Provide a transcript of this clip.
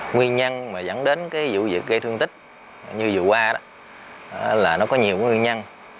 nguyên nhân mà dẫn đến cái vụ việc gây thương tích như vừa qua đó là nó có nhiều nguyên nhân